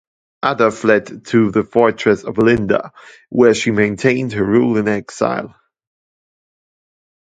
Ada fled to the fortress of Alinda, where she maintained her rule in exile.